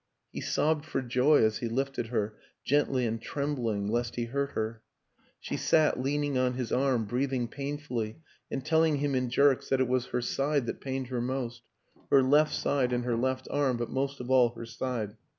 He sobbed for joy as he lifted her, gently and trembling lest he hurt her; she sat, leaning on his arm, breathing painfully and telling him in jerks that it was her side that pained her most her left side and her left arm, but most of all her side.